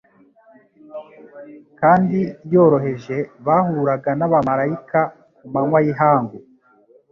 kandi yoroheje bahuraga n'abamalayika ku manywa y'ihangu,